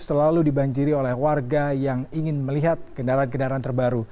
selalu dibanjiri oleh warga yang ingin melihat kendaraan kendaraan terbaru